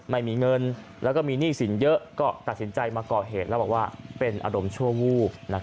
ไม่มีเงินแล้วก็มีหนี้สินเยอะก็ตัดสินใจมาก่อเหตุแล้วบอกว่าเป็นอารมณ์ชั่ววูบ